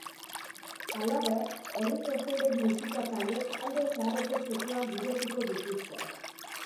Halaber, herriko zenbait musika taldek alde zaharreko txokoak girotuko dituzte.